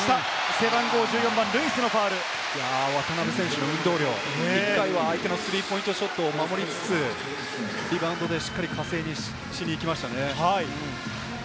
背番号１４番、ルイスのファウル渡邊選手の運動量、１回は相手のスリーポイントショットを守りつつ、リバウンドでしっかり稼ぎに行きましたね。